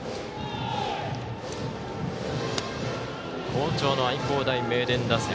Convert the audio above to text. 好調の愛工大名電打線。